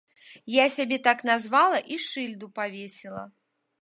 Я сябе так назвала і шыльду павесіла.